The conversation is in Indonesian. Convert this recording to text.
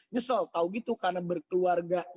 nyesel tau gitu karena berkeluarga